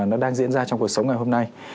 nó đang diễn ra trong cuộc sống ngày hôm nay